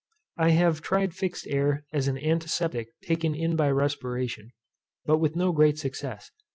I have tried fixed air as an antiseptic taken in by respiration, but with no great success.